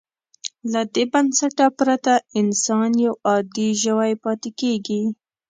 له دې بنسټه پرته انسان یو عادي ژوی پاتې کېږي.